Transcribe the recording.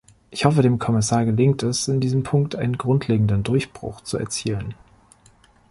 Ich hoffe, dem Kommissar gelingt es, in diesem Punkt einen grundlegenden Durchbruch zu erzielen.